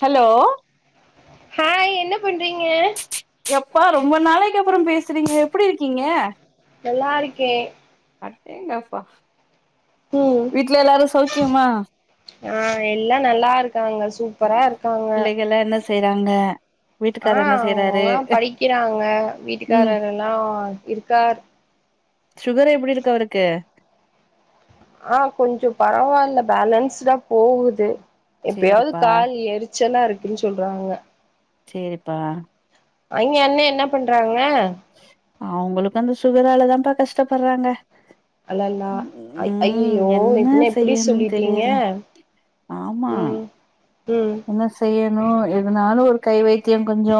Hello hi என்ன பண்றீங்க எப்பா ரொம்ப நாளைக்கு அப்புறோ பேசுறீங்க எப்டி இருக்கீங்க நல்லா இருக்கே அடேங்கப்பா ம் வீட்ல எல்லாரு சௌக்கியமா ஆ எல்லா நல்லா இருக்காங்க சூப்பரா இருக்காங்க பிள்ளைகள்லா என்ன செய்றாங்க ஆ வீட்டுக்காரு என்ன செய்றாரு அவங்கல்லா படிக்கிறாங்க ம் வீட்டுக்காரர் எல்லா இருக்கார் சுகர் எப்டி இருக்கு அவருக்கு ஆ கொஞ்ச பரவால்ல பேலன்ஸ்டா போகுது எப்பயாவது சேரிப்பா கால் எரிச் ச்சலா இருக்குன்னு சொல்றாங்க செரிப்பா அங்கே அண்ணே என்ன பண்றாங்க அவுங்களுக்கு அந்த சுகராலதாப்பா கஷ்டப்படுறாங்க அல்லல்லா ஐ ம் ஐயயோ என்ன இப்புடி செய்யணுன் சொல்லிட்டீங்க தெரியல ஆமா ம் ம் என்ன செய்யணு எதுனாலு ஒரு கை வைத்தியோ கொஞ்சோ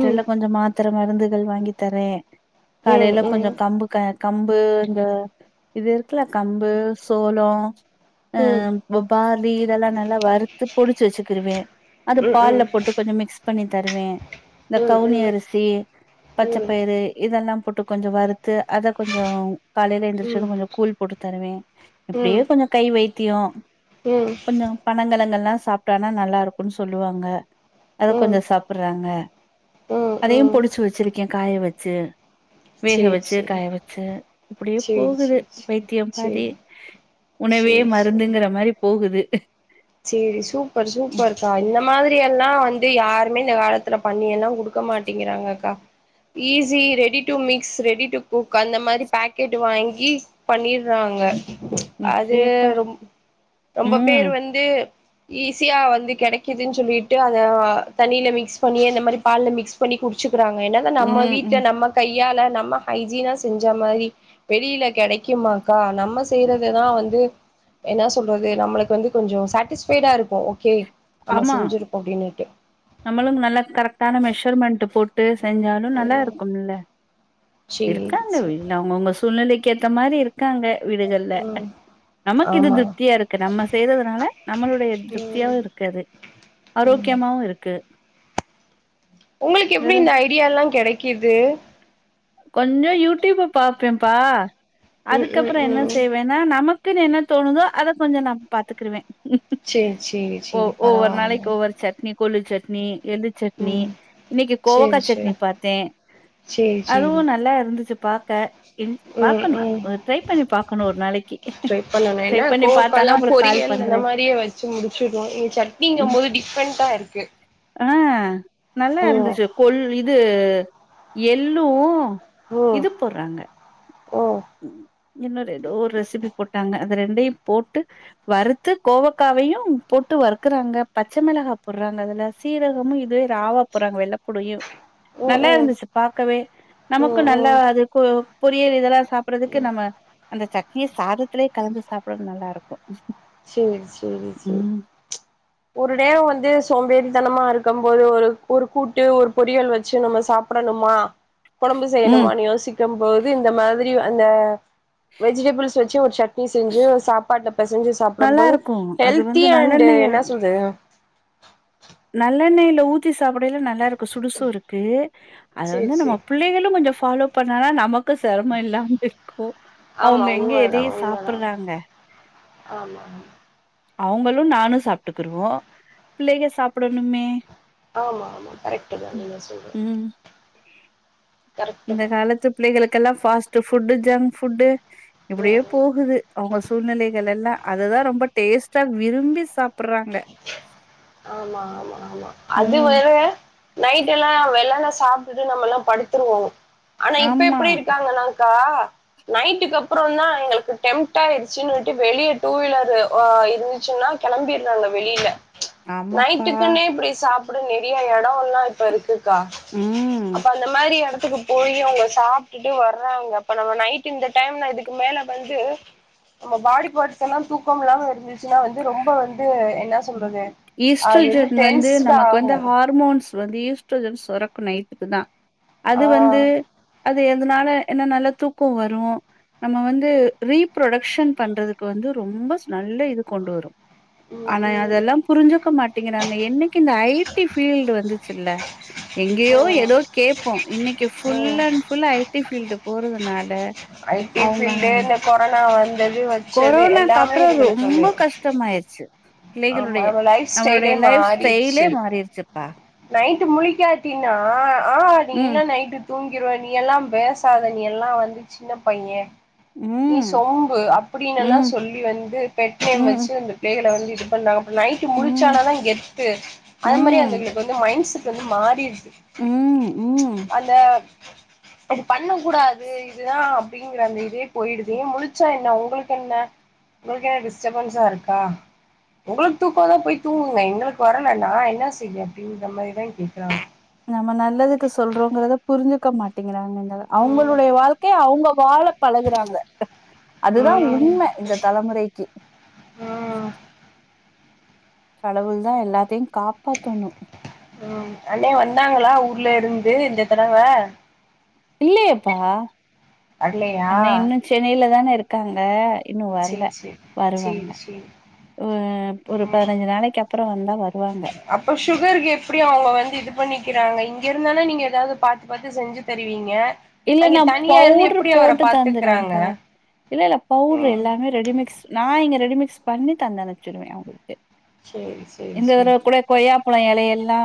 ம் கொஞ்ச மாத் த்தர மருந்துகள் வாங்கி தரே ம் காலைல கொஞ்சோ ம் ம் கம்பு க கம்பு இங்க இது இருக்குல்ல கம்பு சோளோ ம் இப்போ பார்லி இதெல்லா நல்லா வறுத்து பொடிச்சு வச்சுக்குருவ அந்த ம் பால்ல ம் போட்டு கொஞ்ச மிக்ஸ் பண்ணி தருவே இந்த கவுனி ம் அரிசி ம் பச்சைப்பயிறு இதெல்லா போட்டு கொஞ்ச வரு து அத கொஞ்சோ காலைல எழுந்திரிச்சது கொஞ்சோ கூழ் போட்டு தருவ ம் ம் இப்டியே கொஞ்சோ கை வைத்தியோ ம் பனங்கெலகல்லா சாப்டானா நல்லா இருக்குனு சொல்லுவாங்க அத ம் கொஞ்சோ சாப்றாங்க ம் அதையு ம் பொடிச்சு வச்சிருக்கே காய வச்சி வேக சேரி வச்சு சேரி காய வச்சு இப்டியே சேரி போகுது சேரி சேரி வைத்தியம் சேரி பாதி உணவே சேரி சேரி மருந்துங்கிற மாரி போகுது சேரி சூப்பர் சூப்பர்க்கா இந்த மாதிரி எல்லா வந்து யாருமே இந்த காலத் காலத்தில பண்ணி எல்லா குடுக்க மாட்டேங்கிறாங்க கா easy ready to mix ready to cook அந்த மாரி பேக்கெட்டு வாங்கி பண்ணிறாங்க அது இட்லியப்பா ரொம் ரொம்ப ம் பேர் வந்து ஈஸியா வந்து கிடைக்குதுன் சொல்லிட்டு அத தண்ணில மிக்ஸ் பண்ணி இந்த மாரி பால்ல மிக்ஸ் பண்ணி குடுச்சிக்கிறாங்க என்னதா நம்ம ம் வீட்ல ம் நம்ம கையால நம்ம ஹைஜீனா செஞ்ச மாரி வெளில கெடைக்குமாக்கா நம்ம செய்யறதுதா வந்து என்ன சொல்றது நம்மளுக்கு வந்து கொஞ்சோ சாட்டிஸ்ஃபைடா இருக்கு ஓகே நம்ம ஆமா செஞ்சிருப்போ அப்டின்னுட்டு நம்மளும் நல்ல கரெக்டான மெஷர்மெண்ட்டு போட்டு செஞ்சா இன்னு நல்லா ம் இருக்குமல்ல சேரி இருக்காங்க சேரி வீ அவங்கவுங்க சூழ்நிலைக்கு ஏத்த மாரி இருக் காங்க வீடுகள்ல ம் நமக்கு இது ஆமா திருப்தியா இருக்கு நம்ம செய்றதுனால நம்மளுடைய ம் திருப்தியாவு இருக் கது ம் ஆரோக்கியமாவு இருக்கு உங்களுக்கு எப்டி வேற இந்த ஐடியால்லா கெடைக்குது கொஞ்சோ யூடியூப்ப பாப்பேம்ப்பா ம் ம் அதுக்கப்புற என்ன ம் செய்வ நா நமக்குன்னு என்ன தோணுதோ அத கொஞ்சோ நா பாத்துகிருவ சேரி சேரி ஓ சேரி ஓவ்வொரு பரவால்ல நாளைக்கு ஓவ்வொர் சட்னி கொள்ளு சட்னி எள்ளு சட்னி ம் இன்னைக்கு கோவக்கா சேரி சட்னி சேரி பாத்த சேரி அதுவு சேரி நல்லா இருந்துச்சி பாக்க இன்ஸ் ம் பாக்கணு ம் அ ட்ரைப் பண்ணி பாக்கணு ஒரு நாளைக்கு ட்ரைப் பண்ணி பாத் அப்போல்லா பொரியல் இந்த மாரியே வச்சி முடிச்சுடுவோ இங்க சட்னிங்கு ம். போது டிஃப்ரெண்டா இருக்கு ஆ நல்லா ம் இருந்துச்சு கொள் இது எள்ளு இது போறாங்க ஓ இன்னொரு ஏதோ ஒரு ரெசிபி போட்டாங்க அது ரெண்டையு போட்டு வறுத்து கோவக்காவையு போட்டு வறுக்குறாங்க பச்ச மிளகாய் போடுறாங்க அதுல சீரகமும் இது ஆவா போறாங்க வெள்ளப்பூண்டையு ம் நல்லா ம் இருந்துச்சு பாக்கவே நமக்கு ம் நல்லா ம் அது கு பொறியல் இதெல்லா சாப்றதுக்கு நம்ம அந்த ச ட்னிய சாதத்துலயே கலந்து சாப்பிட நல்லா இருக்கு செரி செரி செரி ம் ஒரு நேரோ வந்து சோம்பேறித்தனமா இருக்கம் போது ஒரு ஒரு கூட்டு ஒரு பொறியல் வச்சு நம்ம சாப் படணுமா கொழம்பு ம் செய்யணுமானு யோசிக்கம் போது இந்த மாதிரி அந்த வெஜிடபிள்ஸ் செச்ச ஒரு சட் னி செஞ்சு சாப்பாடுல பெசஞ்சு சாப்டம் நல்லா போது இருக்கு அது வந்து ஹெல்த்தி அண்ட் நல்லெண்ணெய என்ன சொல்றது நல்லெண்ணெயில ஊத்தி சாப்பிடைல நல்லா இருக் கு சுடு சோறுக்கு அத சேரி வந்து நம்ம சேரி புள்ளைங்களு கொஞ்சோ ஃபாலோ பண்ணாதா நமக் கு செரமமு இல்லாம இருக்கு ஆமா அவுங்க எங்க உண்மதா எதையு உண்மதா சாப்பிற்றாங்க ஆமா அவுங்களு நானு சாப்ட்டுக்கிருவோ பிள்ளைக சாப்பிடணுமே ஆமா ஆமா கரெக்டுதா நீங்க சொல்றது ம் கரெக்ட்டு இந்த தா காலத்து புள்ளைகளுக்கெல்லா ஃபாஸ்ட்டு ஃபுட்டு ஜங்க் ஃபுட்டு ம் இப்படியே ம் போகுது அவுங்க சூழ்நிலைகள் எல்லா அதுதா ரொம்ப டேஸ்டா விரும்பி சாப் ஆமா ஆமா ஆமா அது ம் வேற நைட் எல்லா வெள்ளன சாப்டுட்டு நம்மெல்லா படுத்துருவோ ஆனா இப்ப ஆமா எப்பிடி இருக்காங்கானா கா நைட்டுக்கு அப்புறோந்தா எங்களுக்கு டெம்ட் ஆயிடுச்சினிட்டே வெளிய டூவீலர் ஓ இரு ந்திச்சுனா கெளம்பிர்றாங்க வெளியில ஆமாப்பா நைட்டுக்குன்னே இப்படி சாப் பிட நெறிய எடோ எல்லா இப்ப இருக்குக்கா ம் அப்ப அந்த மாரி எடத்துக்கு போயி அவுங்க சாப்ட்டுட்டு வறாங்க அப்ப நம்ம நைட் இந்த டைம்ல இதுக்கு மேல வந்து நம்ம பாடி பாட்ஸ் எல்லா தூக்கம் இல்லாம இருந்துச்சுன்னா வந்து ரொம்ப வந் ஈஸ்ட்ரோஜென் வந்து டென்ஸ்டு நமக்கு ஆகு வந்து ஹா ர்மோன்ஸ் வந்து ஈஸ்ட்ரோஜன் சொரக்கு நைட்டுக்குதா அது ஆ வந்து அது எதுனால ஏனா நல்லா தூக்கோ வரு நம்ம வந்து ரீ புரொடக்ஷன் பண்றதுக்கு வந்து ரொம்ப ச நல்ல இது கொண்டு வரு ம் ஆனா ம் அதெல்லாம் புரிஞ்சுக்க மாட்டேங்கிறாங்க என்னைக்கு இந்த ஐ டி ஃபீல்டு வந்துச்சுல்ல எங்கேயோ ம் எதோ கேப்போ இன்னைக்கு ஃபுல் ம் அண் ஃபுல் ஐடி ஃபீல்டு போறதுனால ஐடி அவங்க ஃபீல்டு இந்த கொரோனா வந்தது வச்சது எல்லாமே இதுங்களுக்கு ஒன்னு சமாயிருச்சு பிள்ளைகளுடைய லைஃப் நம்மளுடைய ஸ்டைலே லைஃப் ஸ்டைலே மாறிடுச்சு மாறிருச்சுப்பா நைட்டு முழிக்காட்டீனா ஆ நீ ம், இல்ல நைட்டு தூங்கிடுவ நீ எல்லாம் பேசாத நீ எல்லா வந்து சின்ன பைய நீ ம், சொம்பு அப்படின்னெல்லா ம், சொல்லி வந்து பெட் நேம் ம், வெச்சு வந்து பிள்ளைகள வந்து இது பண்ணாங்க அப்ற நைட்டு ம், முழிச்சானாதா கெத்து அது மாரி அந்த ம், இந்த மைண் செட் வந்து மாறிற்து ம், ம். அந்த அது பண்ண கூடாது இதுதா அப்டிங்கிற அந்த இதே போயிடுது ஏ முழுச்சா என்னா உங்களுக்கென்ன உங்களுக் ஏ டிஸ்டப்பன்ஸா இருக்கா உங்களுக்கு தூக்கோ வந்தா போய் தூங்குங்க எங்களுக்கு வரல நா என்ன செய்ய அப்டின்ற மாரிதா கேக்குறாங்க நாம நல்லதுக்கு சொல்றோங்கிறத புரிஞ்சுக்க மாட் டிங்கிறாங்கங்க ம் அவங்களுடைய வாழ்க்கைய அவுங்க வாழ பழகுறாங்க அதுதா ம் உண்ம இந்த தலமுறைக்கு ம் கடவுள் தா எல்லாத்தியு காப்பாத்தணு ம் அண்ணே வந்தாங்களா ஊர்ல இருந்து இந்த தடவ இல்லையேப்பா வரலையா அண்ணே இன்னு சென்னையில தான இருக்காங்க இன்னு வரல சேரி சேரி வருவாங்க சேரி சேரி ஒ அ ஒரு ம் பதினஞ்சு நாளைக்கு அப் பறோ வந்தா வருவாங்க அப்ப சுகருக்கு எப்டி அவுங்க வந்து இது பண்ணிக்கிறாங்க இங்க இருந்தான நீங்க எதாவ்து பாத்து பாத்து செஞ்சு தருவீங்க இல்ல அங்க நா தனியா இருந்து பவுட்ரு எப்டி அவர போட்டு பாத்துக்கறாங்க தந்துருவேம்பா இல்ல இல்ல பவுட்ரு ம் எல்லாமே ரெடிமிக்ஸ் நா இங்க ரெடிமிக்ஸ் பண்ணி தந்து அனுப்ச்சுருவ அவுங்ளுக்கு சேரி சேரி இந்த சேரி தடவ கூட கொய்யாப்பழோ எலையெல்லா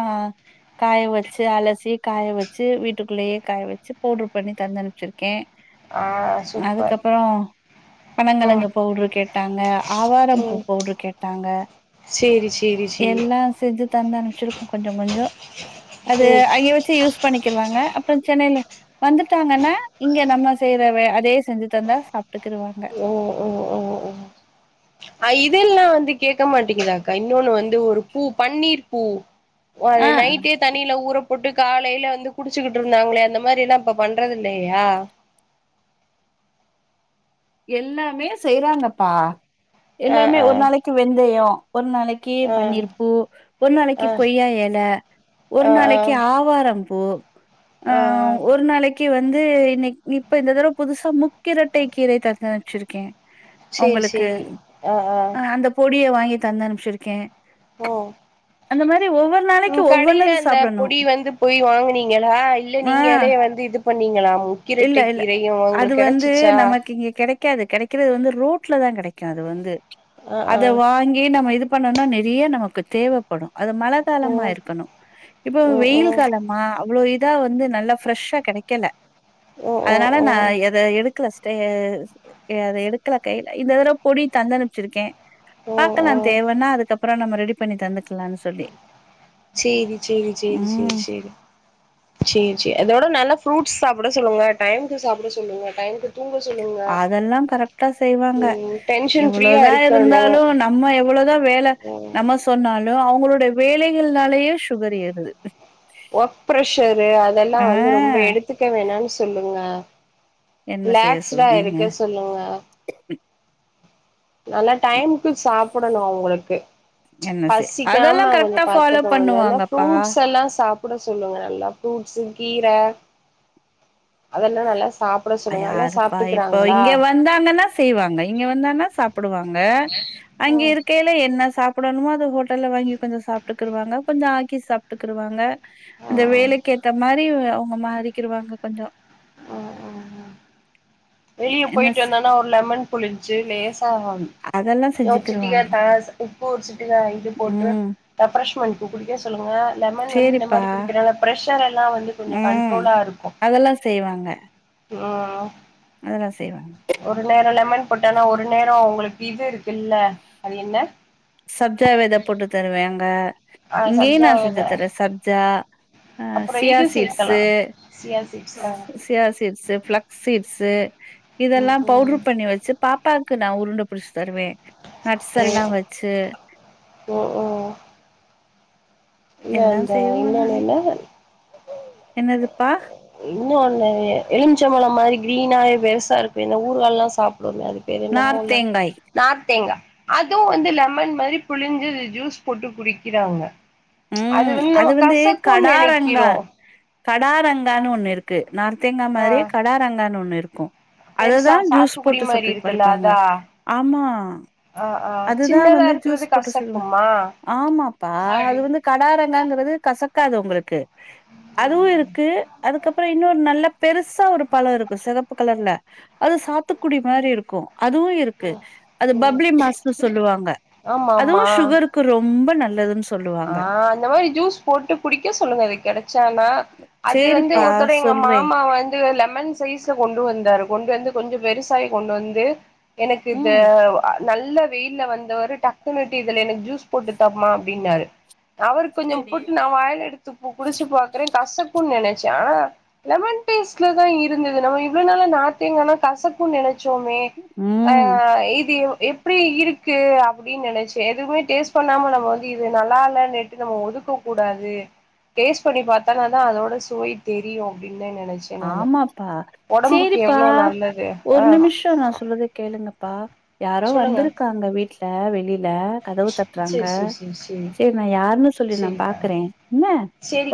காய வச்சு அலசி காய வச்சு வீட்டுக்குள்ளயே காய வச்சு பவுடர் பண்ணி தந்தனுப்ச்சிருக்கே ஆ சூப்பர் அதுக்கப்பறோ ம் பனங்கிழங்கு பவுட்ரு கேட்டாங்க ஆவாரம்பூ ம் பவுட்ரு கேட்டாங்க சேரி சேரி சேரி எல்லா செஞ்சு தந்தனுப்ச்ருக்கோ கொஞ்சோ கொஞ்சோ அது ம் அய்ங்க வச்சு யூஸ் பண்ணிக்கிருவாங்க அப்றோ சென்னைல வந்துட்டாங்கன்னா இங்க நம்ம செய்ற வே அதையே செஞ்சு தந்தா சாப்ட்டுக்குருவாங்க ஒ ஒ ஒ ஒ அ இதெல்லா வந்து கேக்க மாட்டீங்குதாக்கா இன்னொன்னு வந்து ஒரு பூ பன்னீர் பூ ஓ அது ஆ நைட்டே தண்ணீல ஊறப்போட்டு காலைல வந்து குடிச்சுக்கிட்டு இருந்தாங்ளே அந்த மாரி எல்லா இப்ப பண்றதில்லையா எல்லாமே செய்றாங்கப்பா ஆ எல்லாமே ஆ ஒரு நாளைக்கு வெந்தயோ ஒரு நாளைக் கி ஆ பன்னீர் பூ ஒரு ஆ நாளைக்கு கொய்யா எல ஒரு ஆ ஆ நாளைக்கு ஆவாரம் பூ ஆ ஒரு நாளைக்கு வந்து இன்னைக் இப்ப இந்த தரவ புதுசா மு க்கிரட்டை கீரை தந்து அம்ச்சிருக்க சேரி அவுங்களுக்கு சேரி ஆ ஆ அ அந்த பொடிய வாங்கி தந்தனுப்ச்சிருக்கே ஓ அந்த மாரி ஒவ்வொ ம் கடைல அந்த பொடி வந்து போய் வாங்கனீங்களா இல்ல ஆ நீங்களே வந்து இது பண்ணீங்களா மு இல்ல இல்ல அது வந்து நமக்கு இங்க கெடை க்காது கெடைக்கிறது வந்து ரோட்லதா கெடைக்கு அது வந்து ஆ அத ஆ வாங்கி நம்ம இது பண்ணோனா நெறைய நமக்கு தேவப்படு அது மழ ஓ காலமா இருக்கணு இப்போ ஓ ஓ வெயில் காலமா அவ்ளோ இ தா வந்து நல்லா ஃப்ரெஷ்ஷா கெடைக்கல ஓ அதனால ஓ நா ஓ எ அத எடுக்கல ஸ்டே அத எடுக்கல கைல இந்த தடவ பொடி தந்தனுப்ச்சிருக்கே ஓ பாக்கலா ஓ தேவன்னா அதுக்கப்புறோ நம்ம ரெடி பண்ணி தந்துக் சேரி சேரி சேரி சேரி ம் சேரி சேரி சே அதோட நல்லா ஃப்ரூட்ஸ் சாப்பட சொல்லுங்க டைம்க்கு சாப்பட சொல்லுங்க டைம்க்கு அதெல்லா கரெக்டா செய்வாங்க ம் டென்ஷன் ஃப்ரீயா எவ்ளோதா இருக்கணு இருந்தாலு நம்ம எவ்ளோதா வேல ம் நம்ம சொன்னாலு அவுங்களோட வேலைகள்னாலயே சுகர் ஏறுது ஒர்க் ப்ரஷரு அதெல்லா ஆ வந்து ரொம்ப எடுத்துக்க வேணானு சொல்லுங்க என்ன செய்ய ரிலாக்ஸ்டா சொல்றீங்க இருக்க சொல்லுங்க நல்லா டைம்க்கு சாப்படணு அவுங்களுக்கு என்ன செய் அதெல்லா பசிக்காம கொஞ்சோ கரெக்டா ஃபாலோ பாத்துக்கோங்க இல்லனா பண்ணுவாங்கப்பா ஃப்ரூட்ஸ் எல்லா சாப் புட சொல்லுங்க நல்லா ஃப்ரூட்ஸ்ஸு கீர அதெல்லா நல்லா சாப் பட சொல்லுங்க அதல்லா யாருப்பா இப்போ சாப்ட்டுக்கறாங்களா இங்க வந்தாங்கன்னா செய்வாங்க இங்க வந்தானா சாப்புடுவாங்க அங்க ஓ இருக்கைய் லே என்ன சாப்படணுமோ அத ஹோட்டல்ல வாங்கி கொஞ்ச சாப்ட்டுக்குருவங்க கொஞ்சோ ஆக்கி சாப்ட்டுக்குருவாங்க ஆ ஆ அந்த ஆ வேலைக்கு ஏத்த மாரி அவுங்க மாறிக்கிருவாங்க கொஞ்சோ ஆ ஆமா வெளிய என்ன போயிட்டு செ வந்தனா ஒரு லெமன் புளிஞ்சு லேசா அதெல்லா ஒரு சிட்டிங்க செஞ்சுக்கிருவாங்க தஸ் உப்பு ஒரு சிட்டிங்க இது போட்டு ம் ரெஃப்ரஷ்மெண்ட்கு குடிக்க சொல்லுங்க லெமன் வந்து இந்த சேரிப்பா மாரி குடிக்கிறனால ஃப்ரெஷர் எல்லா வந்து கொஞ்சோ ம் கண்ட்ரோலா இருக்கும் அதெல்லா செய்வாங்க ம் அதெல்லா செய்வாங்க ஒரு நேரோ லெமன் போட்டானா ஒரு நேரோ உங்களுக்கு இது இருக்குல்ல அது என்ன சப்ஜாவ வெத போட்டு தருவேங்க ஆ இங்கயும் சப்ஜா நா செஞ்சு வித தரே சப்ஜா ஆ அப்புறோ சியா இது சேக்கலா சீட்ஸு சியா சீட்ஸ் ஆ சியாசீட்ஸ் பளக் சீட்ஸு ம் இதெல்லாம் பவுடரு ம் பண்ணி வச்சு பாப்பாக்கு நா உருண்ட புடிச்சு தருவே நட்ஸ் எல்லா வச்சு ஓ இல்ல எல்லா அந்த செய்வோ இன்னன்ன நாங்க என்ன என்னதுப்பா இன்னொன்னு எலுமிச்சம்பழோ மாரி கிரீனாே பெருசா இருக்குமே இந்த ஊருகால்லா சாப்பிடுவோமே பேரு என்னமோல்ல நார்த்தேங்காய் நார்த்தேங்கா அதுவும் வந்து லெமன் மாரி புழிஞ்சு ஜூஸ் போட்டு குடிக்கிறாங்க ம் நம்ம அது வந்து கசக்குன்னு கடாரங்கா நெனைக்கிறோ கடா ரங்கான்னு ஒண்ணு இருக்கு நார்த்தங்கா ஆ மாரியே கடா ரங்கான்னு ஒண்ணு இருக்கும் பெருசா அததான் ஜூஸ் சாத்துக்குடி போட்டு மாரி சாப்பிட்டு இருக்குல்ல பறிப்பாங்க அதா ஆமா ஆ ஆ அதுதா சின்னதா வந்து ஜூஸ் இருக்கிறது போட்டு சொல்லுவன் கசக்குமா ஆமாப்பா அது வந்து கடாரங்காங்கிறது கசக்காது உங்களுக்கு அதுவும் இருக்கு அதுக்கப்பறோ இன்னொரு நல்ல பெருசா ஒரு பழம் இருக்கும் சிகப்பு கலர்ல அது சாத்துக்குடி மாதிரி இருக்கும் அதுவும் இருக் இருக்கு ம் அது ம் பப்ளி மாஸ் சொல்லுவாங்க ஆமா ஆமா அதுவும் சுகருக்கு ரொம்ப நல்லதுன்னு சொ ஆ அந்த மாரி ஜூஸ் போட்டு குடிக்க சொல்லுங்க அது கெடைச்சானா அது வந்து சேரிப்பா ஒருத்தட எங்க சொல்றே மாமா வந்து லெமன் சைஸ்ல கொண்டு வந்தாரு கொண்டு வந்து கொஞ்சம் பெருசாயி கொண்டு வந்து எனக்கு இது ம் நல்ல வெயில்ல வந்தவரு டக்குனுுட்டு இதுல எனக்கு ஜூஸ் போட்டு தாம்மா அப்டின்னாரு அவருக்கு கொஞ்சோ சேரி போட்டு நா வாயல் எடுத்து குடிச்சு பாக்குறே கஷக்குன்னு நெனைச்சே லெமன் டேஸ்ட்லதா இருந்தது நம்ம இவ்வளவு நாளா நாத்தேங்கான்னா கசக்குன்னு நெனைச்சோமே ம் ஆ இது எப்டி இருக்கு அப்டின்னு நெனைச்சே எதுவுமே டேஸ்ட் பண்ணாம நம்ம வந்து இது நல்லால நேட்டு நம்ம ஒதுக்க கூடாது டேஸ்ட பண்ணி பாத்தால தா அதோட சுவை தெரியு அப்படனு நெனைச்சு ஆமாப்பா சேரிப்பா நல்லது ஆ ஒரு நிமிஷோ நா சொல்றத கேளுங்கப்பா யாரோ சொல்லுங்க வந்திருக்காங்க வீட்டுல வெளிய ல்ல கதவு தட்டுறாங்க சேரி சேரி சேரி சேரி சரி நா யாருன்னு சொல்லி நா சேரிக்கா பாக்குறே என்ன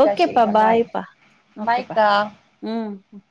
ஓகேப்பா பாய்ப்பா ஓகேப்பா மைக்கா ம்